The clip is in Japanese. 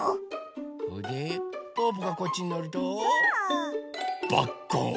それでぽぅぽがこっちにのるとバッコン。